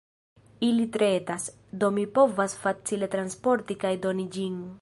Ili tre etas, do mi povas facile transporti kaj doni ĝin.